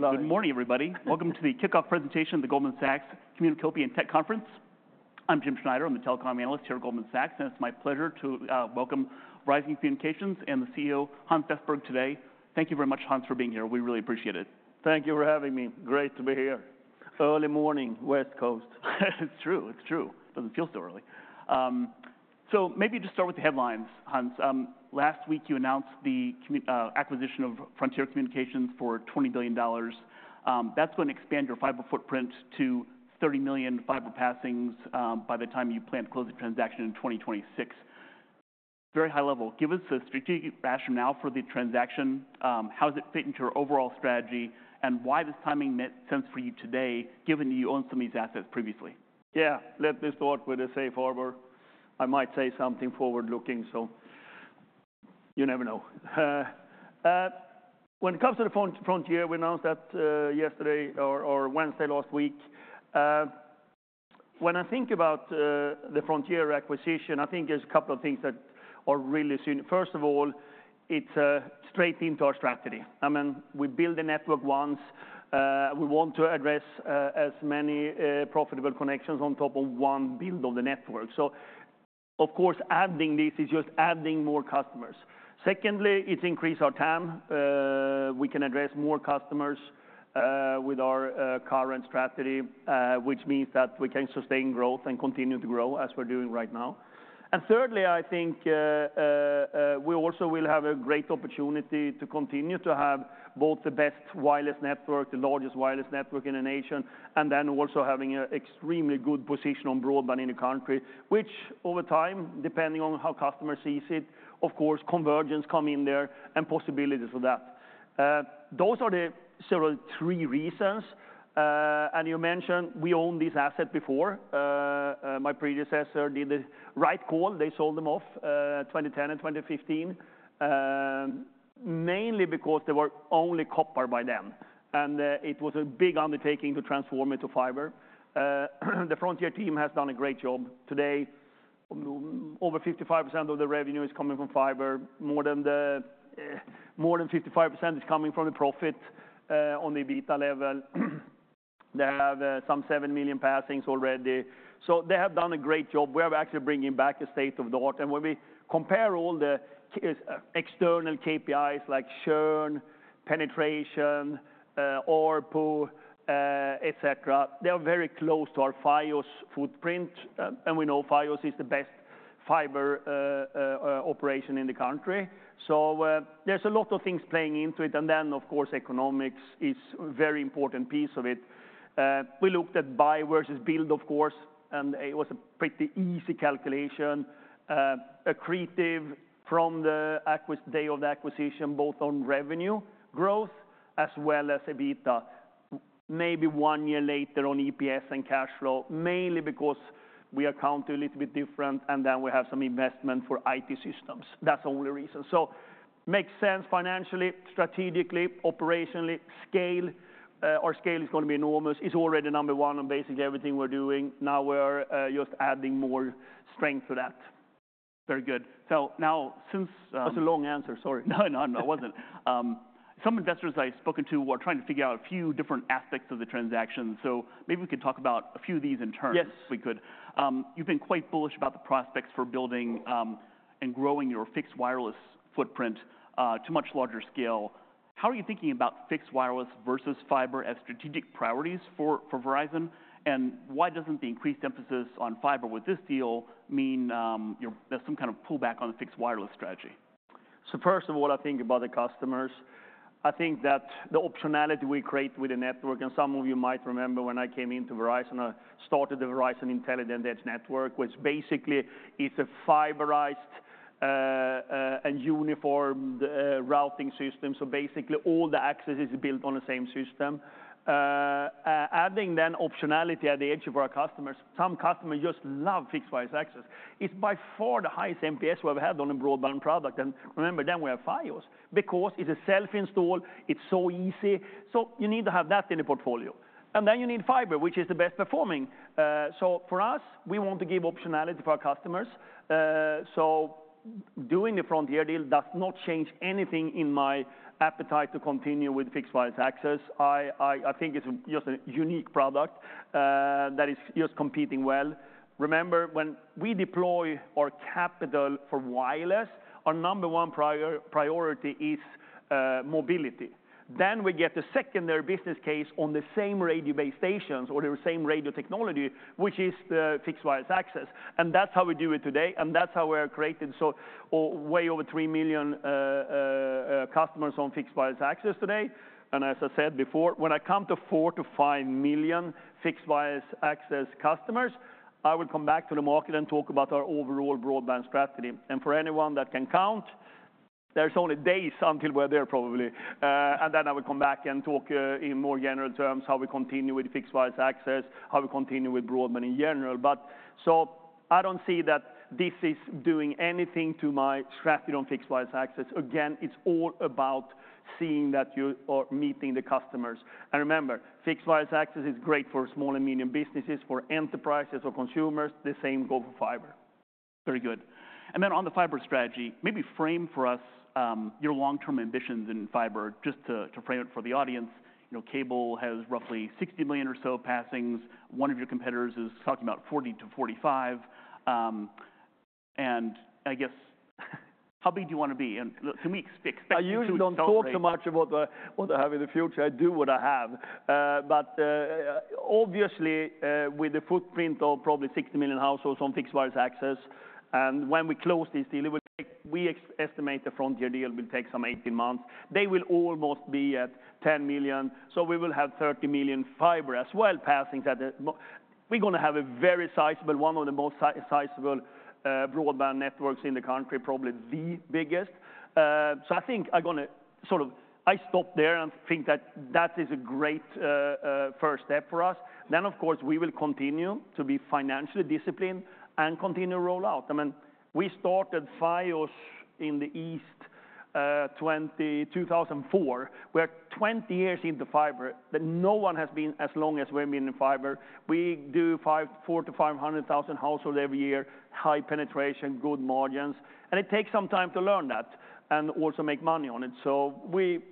Hey, good morning, everybody. Welcome to the kickoff presentation, the Goldman Sachs Communications, Media & Tech Conference. I'm Jim Schneider. I'm the telecom analyst here at Goldman Sachs, and it's my pleasure to welcome Verizon and the CEO, Hans Vestberg, today. Thank you very much, Hans, for being here. We really appreciate it. Thank you for having me. Great to be here. Early morning, West Coast. It's true. It's true. Doesn't feel so early. So maybe just start with the headlines, Hans. Last week you announced the acquisition of Frontier Communications for $20 billion. That's going to expand your fiber footprint to 30 million fiber passings, by the time you plan to close the transaction in 2026. Very high level, give us the strategic rationale for the transaction, how does it fit into your overall strategy, and why this timing makes sense for you today, given that you owned some of these assets previously? Yeah, let me start with a safe harbor. I might say something forward-looking, so you never know. When it comes to the Frontier, we announced that, yesterday or Wednesday last week. When I think about the Frontier acquisition, I think there's a couple of things that are really soon. First of all, it's straight into our strategy. I mean, we build a network once, we want to address as many profitable connections on top of one build of the network. So of course, adding this is just adding more customers. Secondly, it increase our TAM. We can address more customers with our current strategy, which means that we can sustain growth and continue to grow as we're doing right now. And thirdly, I think, we also will have a great opportunity to continue to have both the best wireless network, the largest wireless network in the nation, and then also having an extremely good position on broadband in the country, which over time, depending on how customer sees it, of course, convergence come in there and possibilities for that. Those are the sort of three reasons. And you mentioned we owned this asset before. My predecessor did the right call. They sold them off, 2010 and 2015, mainly because they were only copper by then, and it was a big undertaking to transform into fiber. The Frontier team has done a great job. Today, over 55% of the revenue is coming from fiber. More than 55% is coming from the profit on the EBITDA level. They have some 7 million passings already, so they have done a great job. We are actually bringing back a state-of-the-art. When we compare all the external KPIs like churn, penetration, ARPU, et cetera, they are very close to our Fios footprint. We know Fios is the best fiber operation in the country. There's a lot of things playing into it, and then, of course, economics is a very important piece of it. We looked at buy versus build, of course, and it was a pretty easy calculation, accretive from the acquisition day of the acquisition, both on revenue growth as well as EBITDA. Maybe one year later on EPS and cash flow, mainly because we account a little bit different, and then we have some investment for IT systems. That's the only reason. So makes sense financially, strategically, operationally. Scale, our scale is going to be enormous. It's already number one on basically everything we're doing. Now we're just adding more strength to that. Very good. So now, since, That's a long answer. Sorry. No, no, no, it wasn't. Some investors I've spoken to were trying to figure out a few different aspects of the transaction, so maybe we could talk about a few of these in turn. Yes. If we could. You've been quite bullish about the prospects for building and growing your fixed wireless footprint to much larger scale. How are you thinking about fixed wireless versus fiber as strategic priorities for Verizon? And why doesn't the increased emphasis on fiber with this deal mean there's some kind of pullback on the fixed wireless strategy? So first of all, I think about the customers. I think that the optionality we create with the network, and some of you might remember when I came into Verizon, I started the Verizon Intelligent Edge Network, which basically is a fiberized, and unified, routing system. So basically, all the access is built on the same system. Adding then optionality at the edge of our customers, some customers just love fixed wireless access. It's by far the highest NPS we've ever had on a broadband product, and remember, then we have Fios. Because it's a self-install, it's so easy, so you need to have that in the portfolio. And then you need fiber, which is the best performing. So for us, we want to give optionality to our customers. So doing the Frontier deal does not change anything in my appetite to continue with Fixed Wireless Access. I think it's just a unique product that is just competing well. Remember, when we deploy our capital for wireless, our number one priority is mobility. Then we get the secondary business case on the same radio base stations or the same radio technology, which is the Fixed Wireless Access. And that's how we do it today, and that's how we are creating or way over three million customers on Fixed Wireless Access today. And as I said before, when I come to four to five million Fixed Wireless Access customers, I will come back to the market and talk about our overall broadband strategy. And for anyone that can count, there's only days until we're there, probably. And then I will come back and talk, in more general terms, how we continue with fixed wireless access, how we continue with broadband in general. But so I don't see that this is doing anything to my strategy on fixed wireless access. Again, it's all about seeing that you are meeting the customers. And remember, fixed wireless access is great for small and medium businesses, for enterprises or consumers, the same go for fiber.... Very good. And then on the fiber strategy, maybe frame for us, your long-term ambitions in fiber, just to frame it for the audience. You know, cable has roughly 60 million or so passings. One of your competitors is talking about 40-45. And I guess, how big do you want to be? And look, to me, expect- I usually don't talk so much about what I have in the future. I do what I have. But obviously, with the footprint of probably 60 million households on fixed wireless access, and when we close this deal, we estimate the Frontier deal will take some 18 months. They will almost be at 10 million, so we will have 30 million fiber passings as well at the moment. We're gonna have a very sizable, one of the most sizable, broadband networks in the country, probably the biggest. So, I think I'm gonna sort of, I stop there and think that that is a great first step for us. Then, of course, we will continue to be financially disciplined and continue to roll out. I mean, we started Fios in the East, 2004. We're twenty years into fiber, but no one has been as long as we've been in fiber. We do four to five hundred thousand households every year, high penetration, good margins, and it takes some time to learn that and also make money on it. So,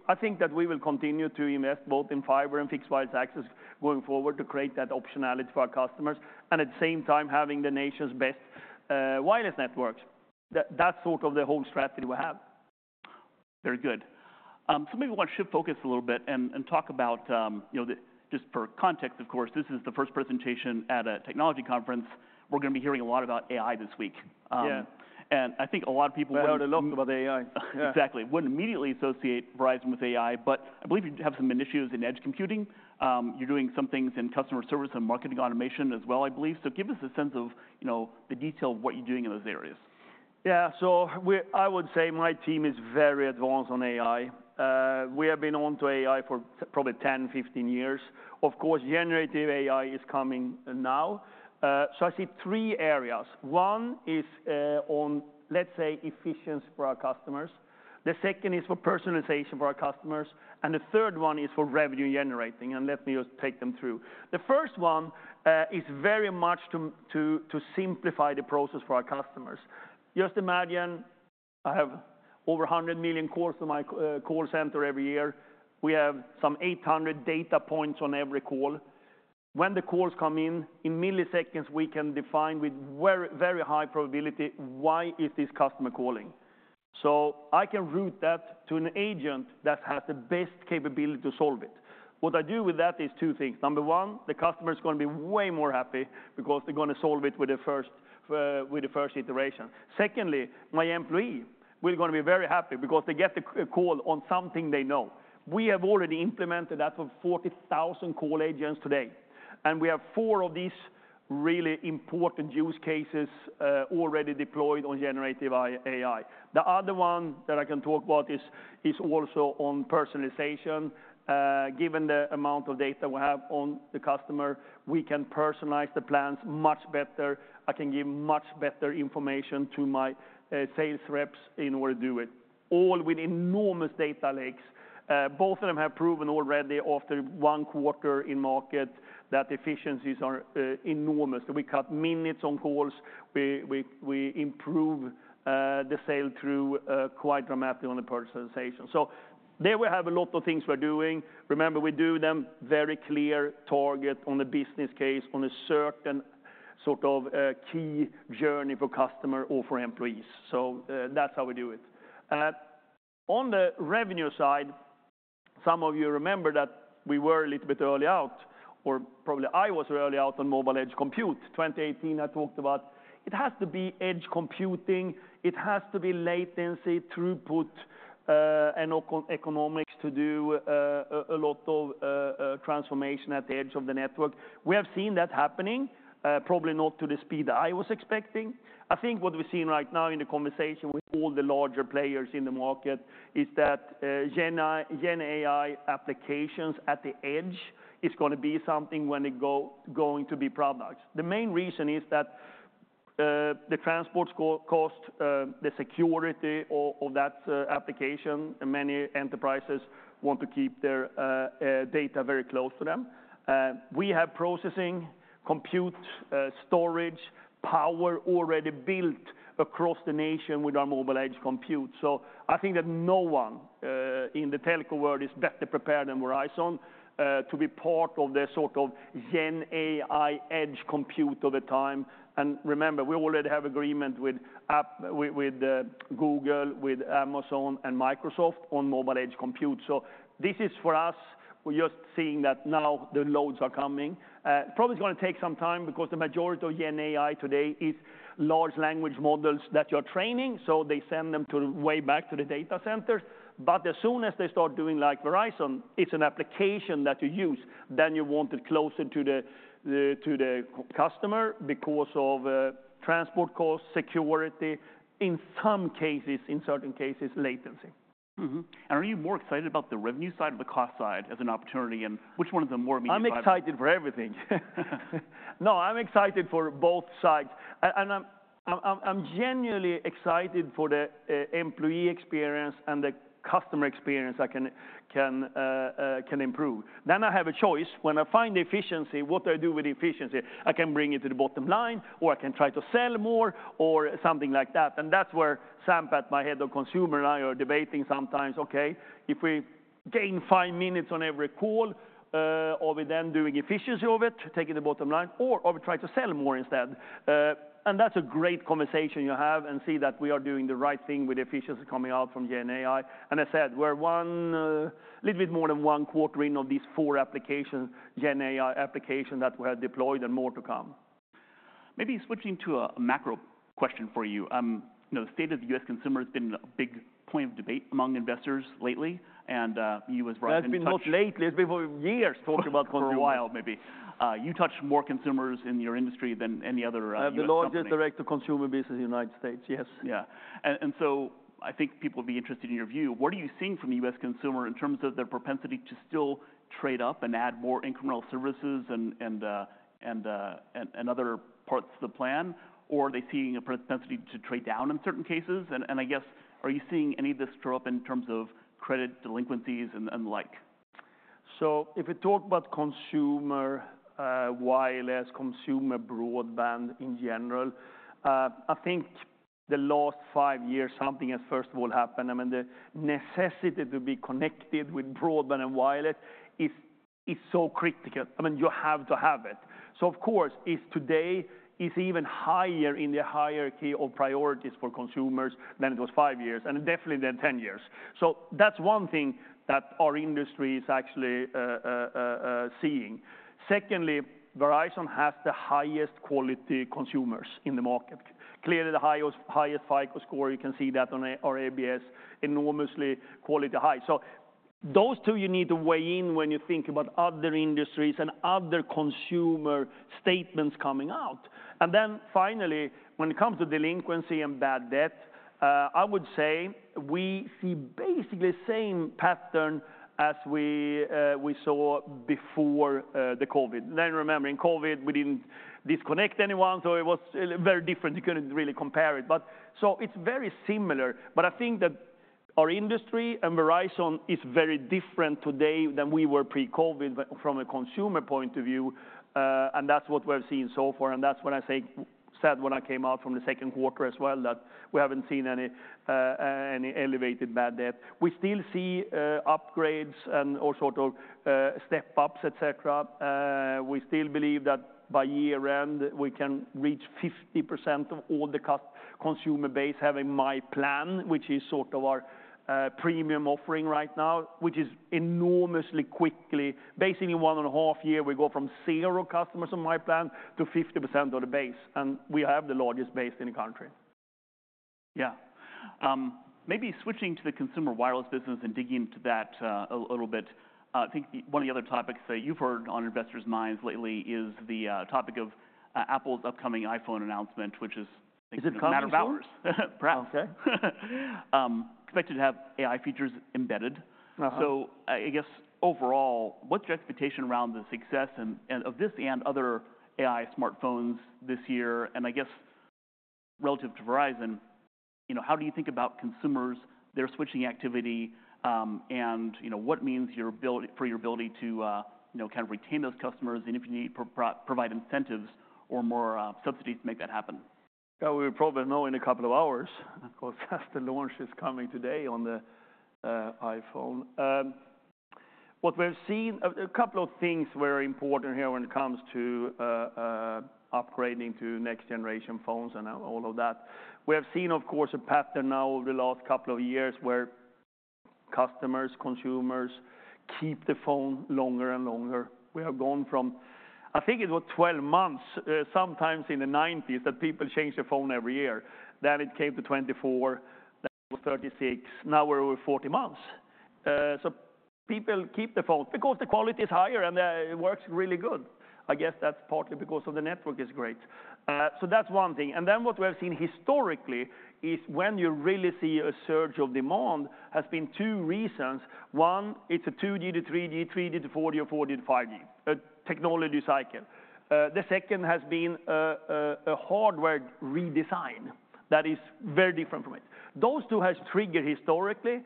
I think that we will continue to invest both in fiber and fixed wireless access going forward to create that optionality for our customers, and at the same time, having the nation's best wireless networks. That's sort of the whole strategy we have. Very good. So maybe I want to shift focus a little bit and talk about, you know, the... Just for context, of course, this is the first presentation at a technology conference. We're gonna be hearing a lot about AI this week. Yeah. I think a lot of people- We heard a lot about AI. Exactly. Wouldn't immediately associate Verizon with AI, but I believe you have some initiatives in edge computing. You're doing some things in customer service and marketing automation as well, I believe. So give us a sense of, you know, the detail of what you're doing in those areas. Yeah. So I would say my team is very advanced on AI. We have been on to AI for probably 10, 15 years. Of course, generative AI is coming now. So I see three areas. One is, on, let's say, efficiency for our customers. The second is for personalization for our customers, and the third one is for revenue generating, and let me just take them through. The first one is very much to simplify the process for our customers. Just imagine, I have over 100 million calls to my call center every year. We have some 800 data points on every call. When the calls come in, in milliseconds, we can define with very, very high probability, why is this customer calling? So I can route that to an agent that has the best capability to solve it. What I do with that is two things: number one, the customer is gonna be way more happy because they're gonna solve it with the first iteration. Secondly, my employee, we're gonna be very happy because they get the call on something they know. We have already implemented that for 40,000 call agents today, and we have four of these really important use cases already deployed on generative AI. The other one that I can talk about is also on personalization. Given the amount of data we have on the customer, we can personalize the plans much better. I can give much better information to my sales reps in order to do it, all with enormous data lakes. Both of them have proven already after one quarter in market that efficiencies are enormous. We cut minutes on calls. We improve the sale through quite dramatically on the personalization. So there we have a lot of things we're doing. Remember, we do them very clear target on the business case, on a certain sort of key journey for customer or for employees. So that's how we do it. On the revenue side, some of you remember that we were a little bit early out, or probably I was early out on mobile edge compute. 2018, I talked about it has to be edge computing, it has to be latency, throughput, and economics to do a lot of transformation at the edge of the network. We have seen that happening, probably not to the speed I was expecting. I think what we're seeing right now in the conversation with all the larger players in the market is that GenAI applications at the edge is going to be something going to be products. The main reason is that the transport cost, the security of that application, many enterprises want to keep their data very close to them. We have processing, compute, storage, power already built across the nation with our mobile edge compute. So, I think that no one in the telco world is better prepared than Verizon to be part of the sort of GenAI edge compute of the time. And remember, we already have agreement with Apple, with Google, with Amazon, and Microsoft on mobile edge compute. So, this is for us. We're just seeing that now the loads are coming. Probably it's gonna take some time because the majority of GenAI today is large language models that you're training, so they send them all the way back to the data centers. But as soon as they start doing like Verizon, it's an application that you use, then you want it closer to the customer because of transport costs, security, in some cases, in certain cases, latency. Mm-hmm. And are you more excited about the revenue side or the cost side as an opportunity, and which one of them more meaningful for you? I'm excited for everything. No, I'm excited for both sides and I'm genuinely excited for the employee experience and the customer experience I can improve. Then I have a choice. When I find the efficiency, what do I do with the efficiency? I can bring it to the bottom line, or I can try to sell more, or something like that. And that's where Sampath, my head of consumer, and I are debating sometimes, okay, if we gain five minutes on every call, are we then doing efficiency of it, taking the bottom line, or are we try to sell more instead? And that's a great conversation you have, and see that we are doing the right thing with efficiency coming out from GenAI. And I said, we're one... Little bit more than one quarter in of these four applications, GenAI applications, that were deployed and more to come. Maybe switching to a macro question for you. You know, the state of the U.S. consumer has been a big point of debate among investors lately, and, you as Verizon touch- It's been, not lately, it's been for years talked about this. For a while, maybe. You touch more consumers in your industry than any other company. I have the largest direct-to-consumer business in the United States, yes. Yeah. And so I think people would be interested in your view. What are you seeing from the U.S. consumer in terms of their propensity to still trade up and add more incremental services and other parts of the plan? Or are they seeing a propensity to trade down in certain cases? And I guess, are you seeing any of this show up in terms of credit delinquencies and the like? So if we talk about consumer, wireless, consumer broadband in general, I think the last five years, something has first of all happened. I mean, the necessity to be connected with broadband and wireless is so critical. I mean, you have to have it. So of course, it's today is even higher in the hierarchy of priorities for consumers than it was five years, and definitely than ten years. So that's one thing that our industry is actually seeing. Secondly, Verizon has the highest quality consumers in the market. Clearly, the highest FICO score, you can see that on our ABS, enormously quality high. So those two you need to weigh in when you think about other industries and other consumer statements coming out. And then finally, when it comes to delinquency and bad debt, I would say we see basically the same pattern as we saw before the COVID. Then remember, in COVID, we didn't disconnect anyone, so it was very different. You couldn't really compare it. But so it's very similar, but I think that our industry and Verizon is very different today than we were pre-COVID from a consumer point of view, and that's what we're seeing so far, and that's what I said when I came out from the second quarter as well, that we haven't seen any elevated bad debt. We still see upgrades and all sort of step-ups, et cetera. We still believe that by year-end, we can reach 50% of all the consumer base having myPlan, which is sort of our premium offering right now, which is enormously quickly. Basically, in one and a half year, we go from zero customers on myPlan to 50% of the base, and we have the largest base in the country. Yeah. Maybe switching to the consumer wireless business and digging into that, a little bit. I think one of the other topics that you've heard on investors' minds lately is the, topic of, Apple's upcoming iPhone announcement, which is- Is it coming soon? Perhaps. Okay. Expected to have AI features embedded. Uh-huh. So I guess, overall, what's your expectation around the success and of this and other AI smartphones this year? And I guess, relative to Verizon, you know, how do you think about consumers, their switching activity, and, you know, what that means for your ability to, you know, kind of retain those customers, and if you need to provide incentives or more subsidies to make that happen? Yeah, we probably know in a couple of hours, of course, as the launch is coming today on the iPhone. What we've seen, a couple of things were important here when it comes to upgrading to next generation phones and all of that. We have seen, of course, a pattern now over the last couple of years, where customers, consumers, keep the phone longer and longer. We have gone from, I think it was 12 months, sometimes in the 1990s, that people changed their phone every year. Then it came to 24, then 36, now we're over 40 months. So people keep the phone because the quality is higher and it works really good. I guess that's partly because of the network is great. So that's one thing, and then what we have seen historically is when you really see a surge of demand, has been two reasons. One, it's a 2G to 3G, 3G to 4G or 4G to 5G, a technology cycle. The second has been a hardware redesign that is very different from it. Those two has triggered historically.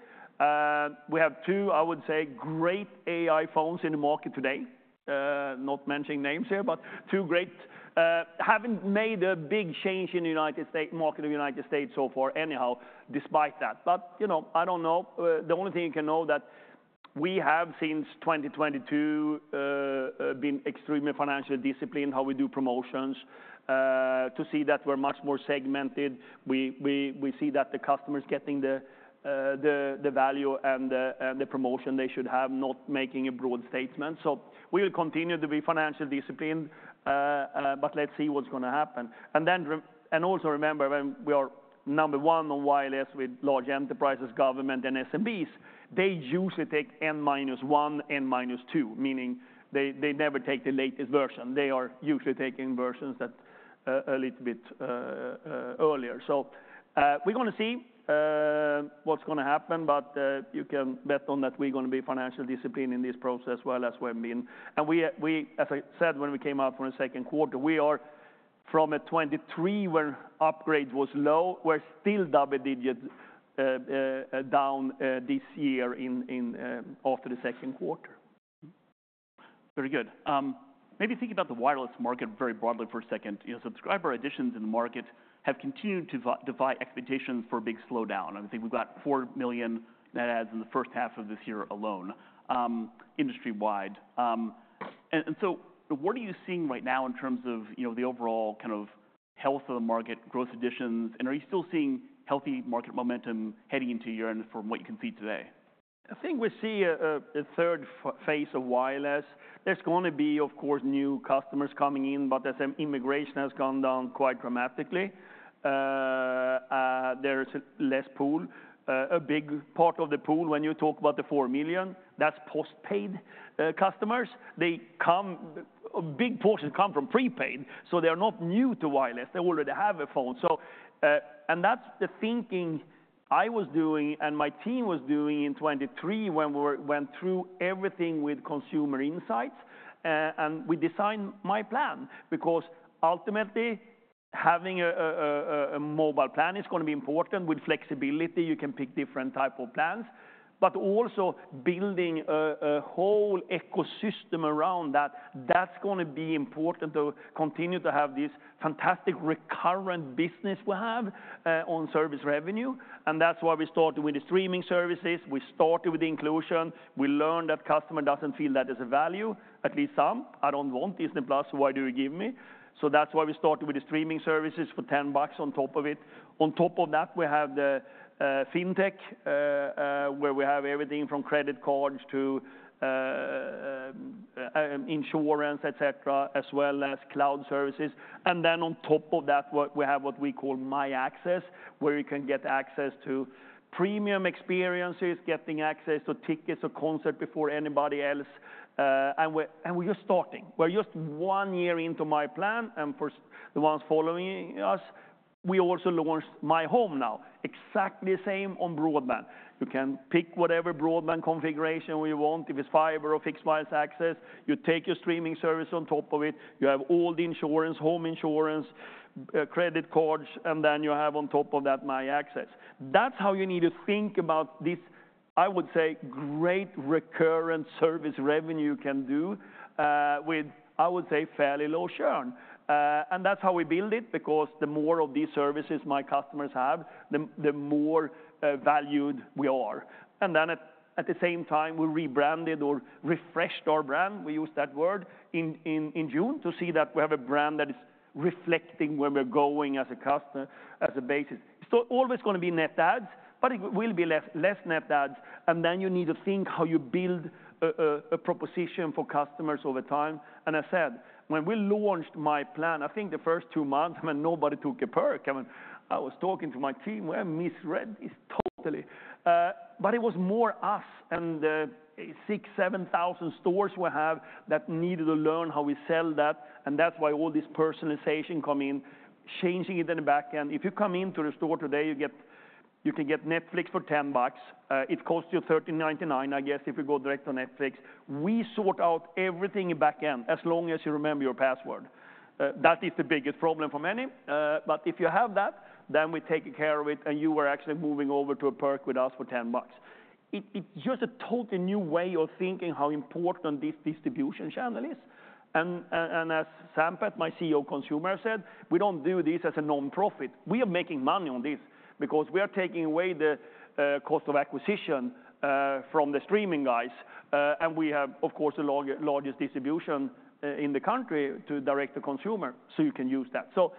We have two, I would say, great AI phones in the market today, not mentioning names here, but two great. Haven't made a big change in the United States market so far anyhow, despite that. But, you know, I don't know. The only thing you can know that we have since 2022 been extremely financially disciplined, how we do promotions, to see that we're much more segmented. We see that the customer is getting the value and the promotion they should have, not making a broad statement. So we will continue to be financially disciplined, but let's see what's going to happen. And also remember, when we are number one on wireless with large enterprises, government, and SMBs, they usually take N minus one, N minus two, meaning they never take the latest version. They are usually taking versions that are a little bit earlier. So, we're gonna see what's gonna happen, but you can bet on that we're gonna be financially disciplined in this process, as well as we have been. We, as I said, when we came out for the second quarter, we are from a 2023, where upgrade was low. We're still double digits down this year in after the second quarter. Very good. Maybe think about the wireless market very broadly for a second. You know, subscriber additions in the market have continued to defy expectations for a big slowdown. I think we've got four million net adds in the first half of this year alone, industry-wide, and so what are you seeing right now in terms of, you know, the overall kind of health of the market, growth additions, and are you still seeing healthy market momentum heading into year-end from what you can see today? I think we see a third phase of wireless. There's going to be, of course, new customers coming in, but as immigration has gone down quite dramatically, there's less pool. A big part of the pool, when you talk about the four million, that's postpaid customers. They come. A big portion come from prepaid, so they're not new to wireless. They already have a phone. So, and that's the thinking I was doing and my team was doing in 2023, when we went through everything with consumer insights. And we designed myPlan, because ultimately, having a mobile plan is gonna be important. With flexibility, you can pick different type of plans, but also building a whole ecosystem around that, that's gonna be important to continue to have this fantastic recurrent business we have on service revenue. And that's why we started with the streaming services. We started with inclusion. We learned that customer doesn't feel that is a value, at least some. "I don't want Disney+, why do you give me?" So that's why we started with the streaming services for $10 on top of it. On top of that, we have the fintech, where we have everything from credit cards to insurance, et cetera, as well as cloud services. And then on top of that, we have what we call myAccess, where you can get access to premium experiences, getting access to tickets or concert before anybody else. And we're just starting. We're just one year into myPlan, and for the ones following us, we also launched myHome now, exactly the same on broadband. You can pick whatever broadband configuration you want, if it's fiber or fixed wireless access. You take your streaming service on top of it, you have all the insurance, home insurance, credit cards, and then you have on top of that, myAccess. That's how you need to think about this, I would say, great recurrent service revenue can do, with, I would say, fairly low churn. And that's how we build it, because the more of these services my customers have, the more, valued we are. Then at the same time, we rebranded or refreshed our brand, we used that word, in June to see that we have a brand that is reflecting where we're going as a customer, as a basis. So always gonna be net adds, but it will be less net adds, and then you need to think how you build a proposition for customers over time. And I said, when we launched myPlan, I think the first two months, I mean, nobody took a perk. I mean, I was talking to my team, "We have misread this totally." But it was more us and the six, seven thousand stores we have, that needed to learn how we sell that, and that's why all this personalization come in, changing it in the back end. If you come into the store today, you can get Netflix for $10. It costs you $13.99, I guess, if you go direct to Netflix. We sort out everything in back end, as long as you remember your password. That is the biggest problem for many. But if you have that, then we take care of it, and you are actually moving over to a perk with us for $10. It's just a totally new way of thinking how important this distribution channel is. And as Sampath, my CEO consumer said, "We don't do this as a nonprofit. We are making money on this, because we are taking away the cost of acquisition from the streaming guys, and we have, of course, the largest distribution in the country to direct the consumer, so you can use that." So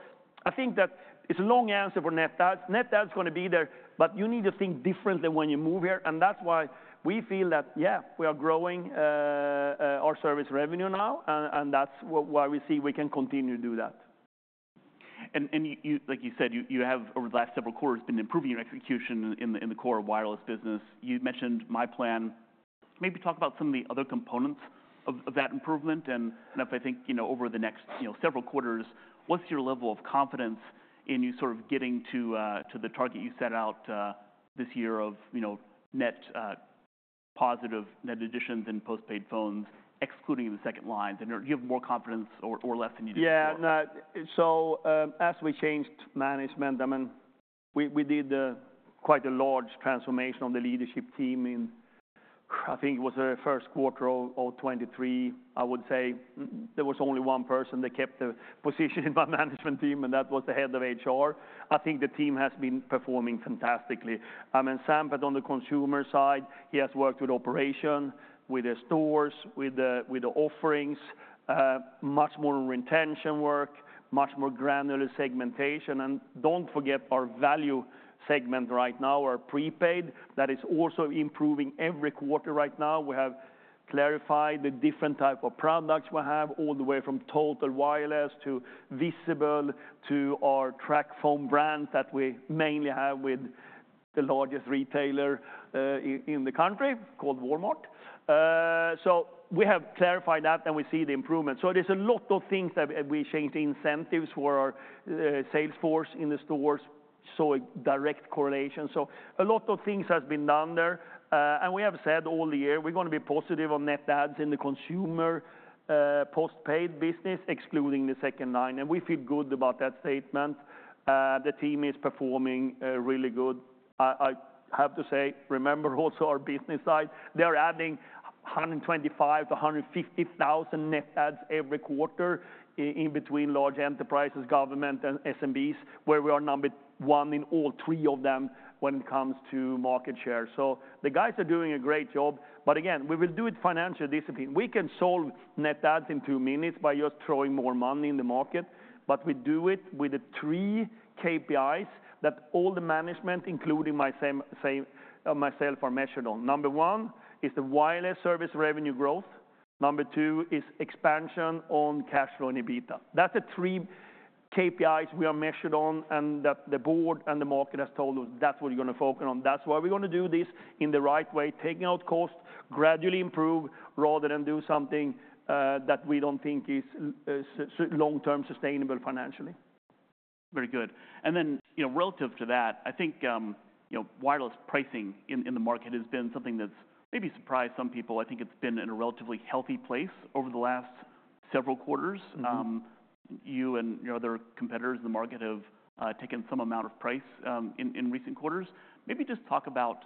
I think that it's a long answer for net adds. Net adds is gonna be there, but you need to think differently when you move here, and that's why we feel that, yeah, we are growing our service revenue now, and that's why we see we can continue to do that. And you, like you said, you have over the last several quarters been improving your execution in the core wireless business. You mentioned myPlan. Maybe talk about some of the other components of that improvement, and if I think, you know, over the next, you know, several quarters, what's your level of confidence in you sort of getting to the target you set out this year of, you know, net positive net additions in postpaid phones, excluding the second lines? And do you have more confidence or less than you did before? Yeah. No, so, as we changed management, I mean, we did quite a large transformation on the leadership team in, I think it was the first quarter of 2023. I would say there was only one person that kept their position in my management team, and that was the head of HR. I think the team has been performing fantastically. I mean, Sampath, on the consumer side, he has worked with operation, with the stores, with the offerings, much more on retention work, much more granular segmentation. And don't forget our value segment right now, our prepaid, that is also improving every quarter right now. We have clarified the different type of products we have, all the way from Total Wireless to Visible, to our Tracfone brand that we mainly have with the largest retailer in the country, called Walmart. So we have clarified that, and we see the improvement. So there's a lot of things that we changed the incentives for our sales force in the stores, saw a direct correlation. So a lot of things has been done there. And we have said all year, we're gonna be positive on net adds in the consumer postpaid business, excluding the second line, and we feel good about that statement. The team is performing really good. I have to say, remember also our business side, they're adding 125-150 thousand net adds every quarter in between large enterprises, government, and SMBs, where we are number one in all three of them when it comes to market share. So the guys are doing a great job. But again, we will do it financial discipline. We can solve net adds in two minutes by just throwing more money in the market, but we do it with the three KPIs that all the management, including myself, are measured on. Number one is the wireless service revenue growth. Number two is expansion on cash flow and EBITDA. That's the three KPIs we are measured on, and that the board and the market has told us that's what you're gonna focus on. That's why we're gonna do this in the right way, taking out costs, gradually improve, rather than do something that we don't think is long-term sustainable financially. Very good. And then, you know, relative to that, I think, you know, wireless pricing in the market has been something that's maybe surprised some people. I think it's been in a relatively healthy place over the last several quarters. Mm-hmm. You and your other competitors in the market have taken some amount of price in recent quarters. Maybe just talk about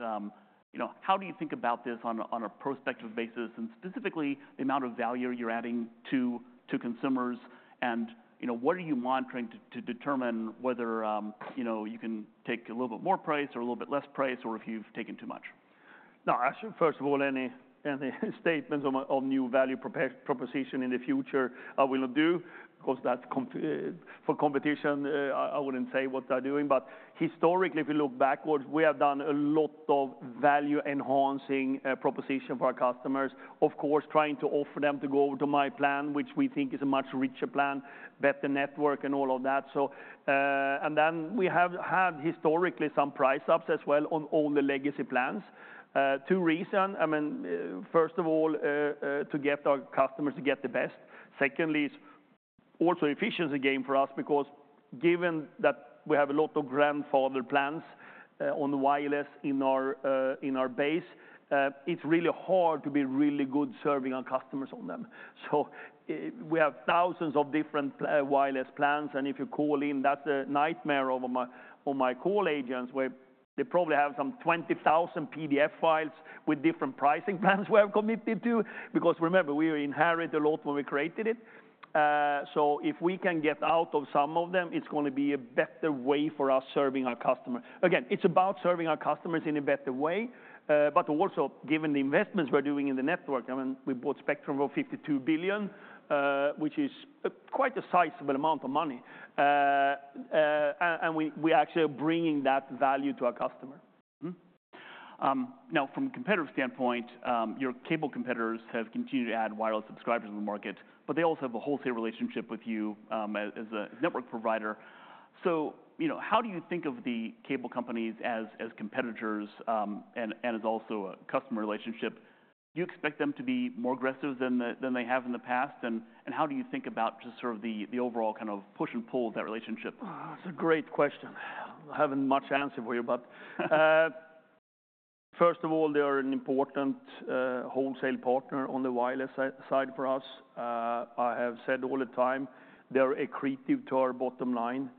you know how do you think about this on a prospective basis, and specifically, the amount of value you're adding to consumers, and you know what are you monitoring to determine whether you know you can take a little bit more price or a little bit less price, or if you've taken too much? No, actually, first of all, any statements on new value proposition in the future, I will not do, because that's for competition. I wouldn't say what they're doing. But historically, if you look backwards, we have done a lot of value-enhancing proposition for our customers. Of course, trying to offer them to go to myPlan, which we think is a much richer plan, better network and all of that. So, and then we have had historically some price ups as well on all the legacy plans. Two reason, I mean, first of all, to get our customers to get the best. Secondly, is also efficiency gain for us, because given that we have a lot of grandfather plans on the wireless in our base, it's really hard to be really good serving our customers on them. So we have thousands of different wireless plans, and if you call in, that's a nightmare on my call agents, where they probably have some 20,000 PDF files with different pricing plans we have committed to. Because remember, we inherit a lot when we created it. So if we can get out of some of them, it's gonna be a better way for us serving our customers. Again, it's about serving our customers in a better way, but also, given the investments we're doing in the network, I mean, we bought spectrum for $52 billion, which is quite a sizable amount of money. And we actually are bringing that value to our customer. Mm-hmm. Now from a competitive standpoint, your cable competitors have continued to add wireless subscribers in the market, but they also have a wholesale relationship with you, as a network provider. So, you know, how do you think of the cable companies as competitors, and as also a customer relationship? Do you expect them to be more aggressive than they have in the past? And how do you think about just sort of the overall kind of push and pull of that relationship? It's a great question. I haven't much answer for you, but first of all, they are an important wholesale partner on the wireless side for us. I have said all the time, they're accretive to our bottom line.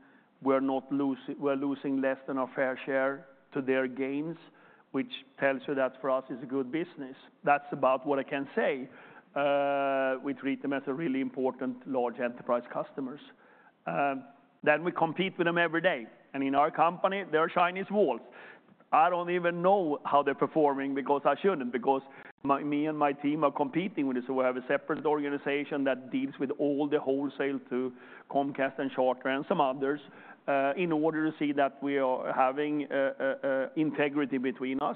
We're not losing. We're losing less than our fair share to their gains, which tells you that for us, it's a good business. That's about what I can say. We treat them as a really important large enterprise customers. Then we compete with them every day, and in our company, there are Chinese walls. I don't even know how they're performing, because I shouldn't, because me and my team are competing with this. So we have a separate organization that deals with all the wholesale to Comcast and Charter and some others, in order to see that we are having integrity between us.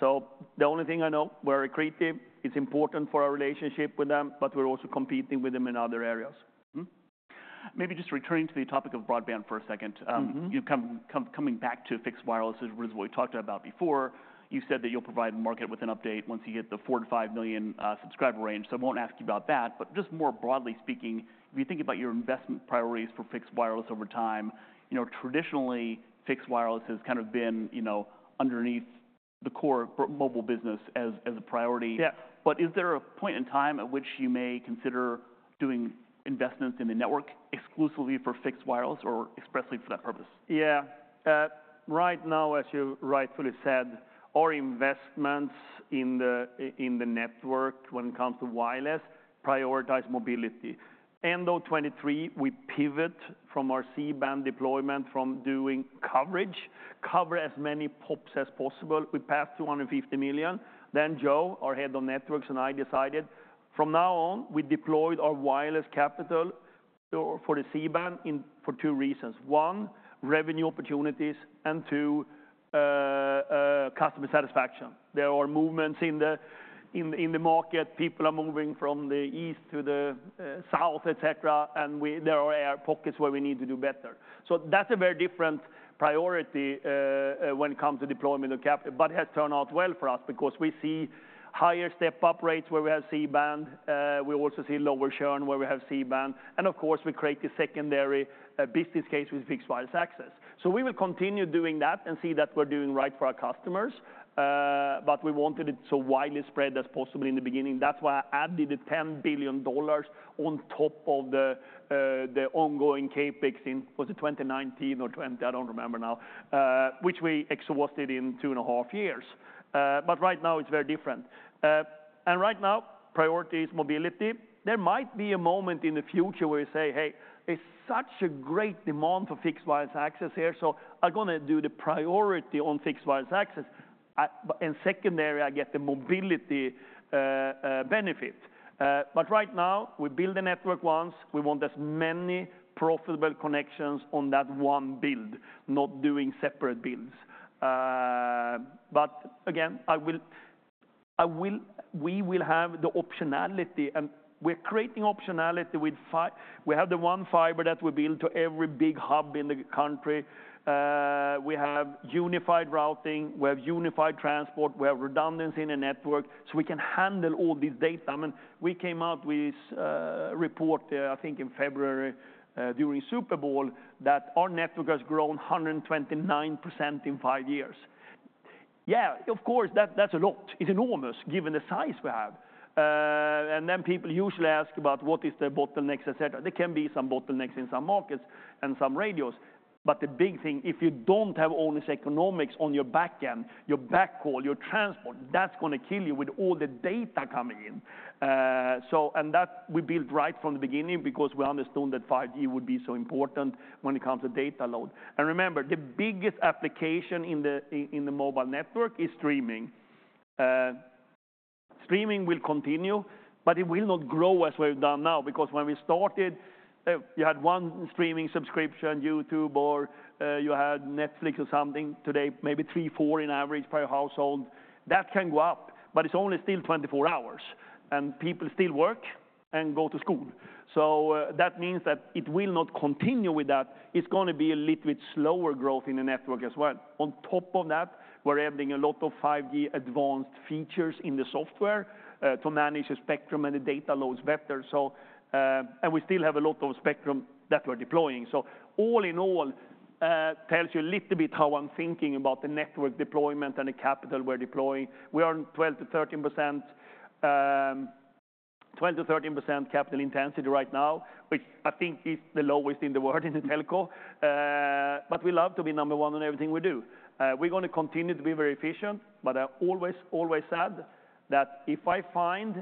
So the only thing I know, we're accretive, it's important for our relationship with them, but we're also competing with them in other areas. Mm-hmm. Maybe just returning to the topic of broadband for a second. Mm-hmm. Coming back to fixed wireless, as what we talked about before, you said that you'll provide the market with an update once you get the four-to-five million subscriber range, so I won't ask you about that. But just more broadly speaking, if you think about your investment priorities for fixed wireless over time, you know, traditionally, fixed wireless has kind of been, you know, underneath the core mobile business as a priority. Yes. But is there a point in time at which you may consider doing investments in the network exclusively for fixed wireless or expressly for that purpose? Yeah. Right now, as you rightfully said, our investments in the network when it comes to wireless prioritize mobility. End of 2023, we pivot from our C-band deployment from doing coverage as many pops as possible. We passed to 150 million. Then Joe, our head of networks, and I decided, from now on, we deployed our wireless capital for the C-band in for two reasons: one, revenue opportunities, and two, customer satisfaction. There are movements in the market. People are moving from the east to the South, et cetera, and there are pockets where we need to do better. So that's a very different priority when it comes to deployment of capital but has turned out well for us because we see higher step-up rates where we have C-band. We also see lower churn where we have C-band, and of course, we create the secondary business case with fixed wireless access. We will continue doing that and see that we're doing right for our customers, but we wanted it so widely spread as possible in the beginning. That's why I added the $10 billion on top of the ongoing CapEx in 2019 or 2020. I don't remember now, which we exhausted in two and a half years, but right now it's very different, and right now, priority is mobility. There might be a moment in the future where you say, "Hey, it's such a great demand for fixed wireless access here, so I'm gonna do the priority on fixed wireless access. But and secondary, I get the mobility benefit. But right now, we build the network once. We want as many profitable connections on that one build, not doing separate builds. But again, I will, we will have the optionality, and we're creating optionality with fiber. We have the one fiber that we build to every big hub in the country. We have unified routing, we have unified transport, we have redundancy in the network, so we can handle all this data. I mean, we came out with a report, I think in February, during Super Bowl, that our network has grown 129% in five years. Yeah, of course, that's a lot. It's enormous, given the size we have. And then people usually ask about what is the bottlenecks, et cetera. There can be some bottlenecks in some markets and some radios. But the big thing, if you don't have all this economics on your back end, your backhaul, your transport, that's gonna kill you with all the data coming in. So, and that we built right from the beginning because we understood that 5G would be so important when it comes to data load. And remember, the biggest application in the mobile network is streaming. Streaming will continue, but it will not grow as we've done now, because when we started, you had one streaming subscription, YouTube, or you had Netflix or something. Today, maybe three, four in average per household. That can go up, but it's only still twenty-four hours, and people still work and go to school. So, that means that it will not continue with that. It's gonna be a little bit slower growth in the network as well. On top of that, we're adding a lot of 5G Advanced features in the software to manage the spectrum and the data loads better. So, and we still have a lot of spectrum that we're deploying. So all in all, tells you a little bit how I'm thinking about the network deployment and the capital we're deploying. We are in 12-13%, 12-13% capital intensity right now, which I think is the lowest in the world in the telco. But we love to be number one in everything we do. We're gonna continue to be very efficient, but I always, always add that if I find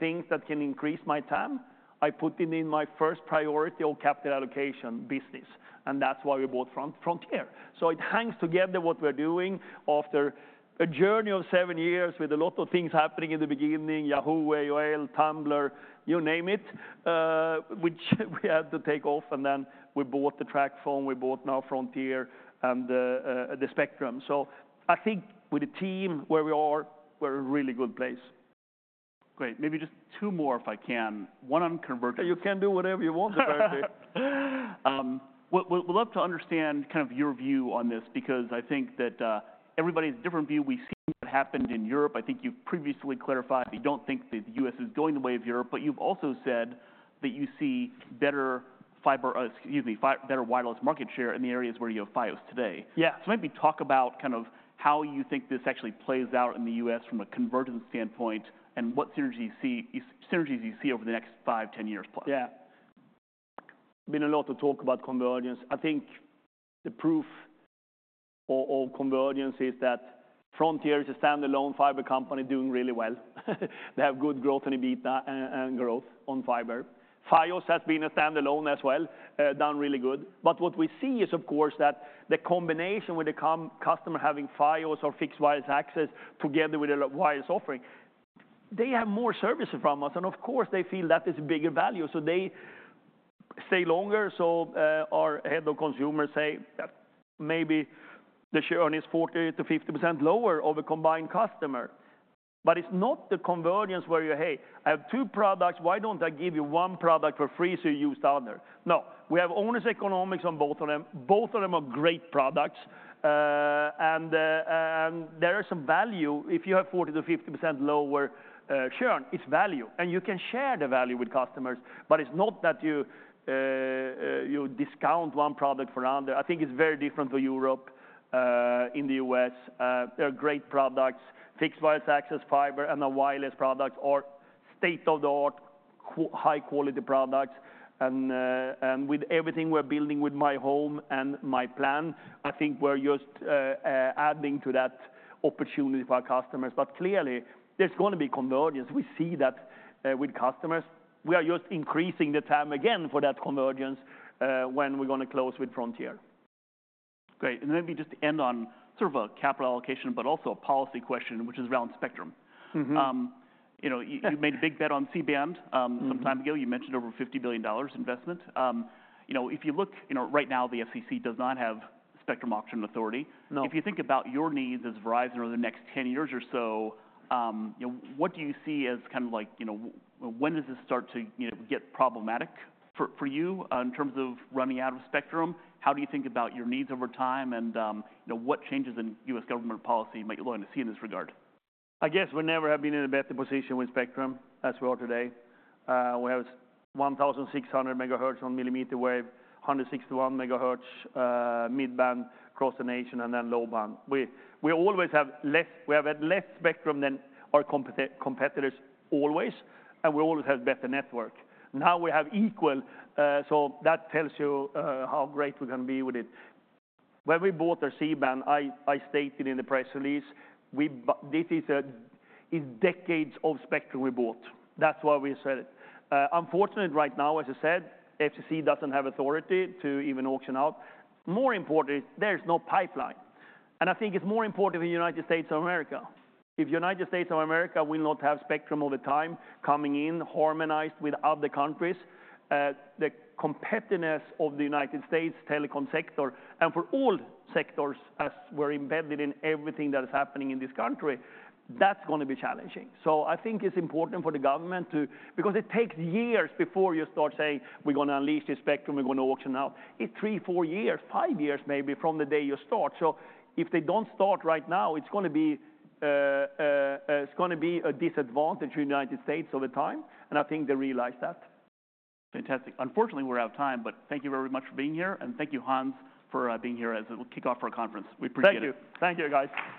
things that can increase my TAM, I put it in my first priority on capital allocation business, and that's why we bought Frontier. So it hangs together what we're doing after a journey of seven years with a lot of things happening in the beginning, Yahoo, AOL, Tumblr, you name it, which we had to take off, and then we bought the Tracfone, we bought now Frontier and the spectrum. So I think with the team, where we are, we're in a really good place. Great. Maybe just two more, if I can. One on conversion- You can do whatever you want, actually. Would love to understand kind of your view on this, because I think that everybody has a different view. We've seen what happened in Europe. I think you've previously clarified that you don't think that the US is going the way of Europe, but you've also said that you see better fiber, excuse me, better wireless market share in the areas where you have Fios today. Yeah. So maybe talk about kind of how you think this actually plays out in the U.S. from a convergence standpoint, and what synergies you see over the next five, ten years plus? Yeah. Been a lot of talk about convergence. I think the proof of convergence is that Frontier is a standalone fiber company doing really well. They have good growth and EBITDA and growth on fiber. Fios has been a standalone as well, done really good. But what we see is, of course, that the combination with the customer having Fios or fixed wireless access together with a wireless offering, they have more services from us, and of course, they feel that is a bigger value, so they stay longer. So, our head of consumers say that maybe the churn is 40% to 50% lower of a combined customer. But it's not the convergence where you're, "Hey, I have two products, why don't I give you one product for free so you use the other?" No, we have owner's economics on both of them. Both of them are great products, and there is some value if you have 40%-50% lower churn. It's value, and you can share the value with customers, but it's not that you discount one product for another. I think it's very different to Europe in the US. There are great products. Fixed wireless access, fiber, and the wireless products are state-of-the-art, high-quality products, and with everything we're building with myHome and myPlan, I think we're just adding to that opportunity for our customers. Clearly, there's gonna be convergence. We see that with customers. We are just increasing the TAM again for that convergence when we're gonna close with Frontier. Great. And let me just end on sort of a capital allocation, but also a policy question, which is around spectrum. Mm-hmm. You know, you made a big bet on C-band. Mm-hmm Some time ago. You mentioned over $50 billion investment. You know, if you look, you know, right now, the FCC does not have spectrum auction authority. No. If you think about your needs as Verizon over the next 10 years or so, you know, what do you see as kind of like, you know, when does this start to, you know, get problematic for you, in terms of running out of spectrum? How do you think about your needs over time and, you know, what changes in U.S. government policy might you like to see in this regard? I guess we never have been in a better position with spectrum as we are today. We have 1,600 megahertz on millimeter wave, 161 megahertz, mid-band across the nation, and then low-band. We always have had less spectrum than our competitors, always, and we always have better network. Now we have equal, so that tells you how great we're gonna be with it. When we bought the C-band, I stated in the press release, we bought. This is decades of spectrum we bought. That's why we said it. Unfortunately, right now, as I said, FCC doesn't have authority to even auction out. More importantly, there's no pipeline, and I think it's more important in the United States of America. If United States of America will not have spectrum all the time coming in, harmonized with other countries, the competitiveness of the United States telecom sector and for all sectors, as we're embedded in everything that is happening in this country, that's gonna be challenging. So I think it's important for the government to, because it takes years before you start saying: We're gonna unleash this spectrum, we're gonna auction out. It's three, four years, five years, maybe, from the day you start. So if they don't start right now, it's gonna be a disadvantage to the United States over time, and I think they realize that. Fantastic. Unfortunately, we're out of time, but thank you very much for being here, and thank you, Hans, for being here as it will kick off our conference. We appreciate it. Thank you. Thank you, guys.